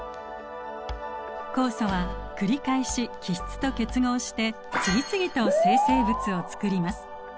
酵素は繰り返し基質と結合して次々と生成物を作ります。